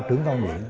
trưởng công an huyện